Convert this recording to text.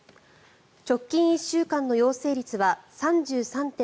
直近１週間の陽性率は３３．８％。